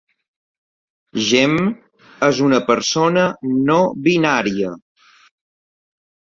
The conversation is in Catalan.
Gemm és una persona no binària.